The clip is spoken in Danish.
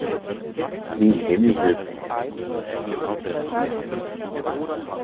Min hemmelighed er hans, min lykke er hans